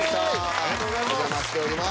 ありがとうございます。